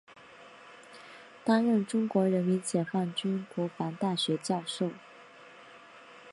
担任中国人民解放军国防大学教授。